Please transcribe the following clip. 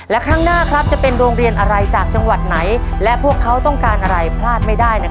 และครั้งหน้าจะเป็นโรงเรียนอะไรจากจังหวัดไหนและพวกเขาต้องการอะไรพลาดไม่ได้